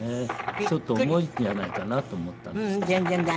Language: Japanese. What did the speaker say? ちょっと重いんじゃないかなと思ったんですけど。